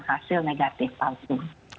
hasil negatif palsu